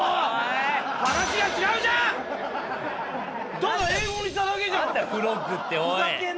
話が違うじゃん！